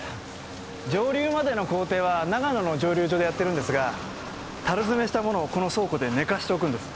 蒸留までの行程は長野の蒸留所でやってるんですが樽詰めしたものをこの倉庫で寝かしておくんです。